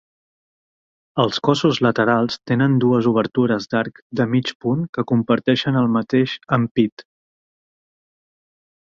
Els cossos laterals tenen dues obertures d'arc de mig punt que comparteixen el mateix ampit.